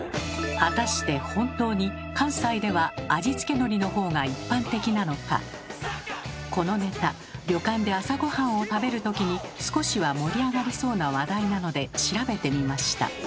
果たして本当にこのネタ旅館で朝ごはんを食べるときに少しは盛り上がりそうな話題なので調べてみました。